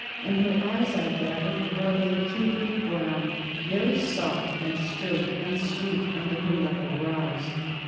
And her eyes, I gather, were of a kindled brown, very soft and straight and sweet under her level brows.